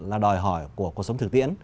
là đòi hỏi của cuộc sống thực tiễn